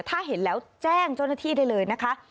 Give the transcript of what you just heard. ถ้าเห็นแล้วแจ้งเจ้าหน้าที่ได้เลยนะคะ